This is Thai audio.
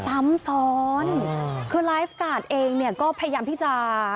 ซ้ำซ้อนคือไลฟ์การ์ดเองเนี่ยก็พยายามที่จะ